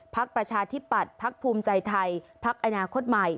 ประชาธิปัตย์พักภูมิใจไทยพักอนาคตใหม่